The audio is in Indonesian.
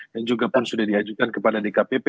dan juga pun sudah diajukan kepada dkpp